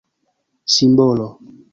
simbolo